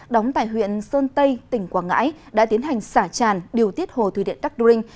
đóng tại huyện sơn tây tỉnh quảng ngãi đã tiến hành xả tràn điều tiết hồ thủy điện đắc đu rinh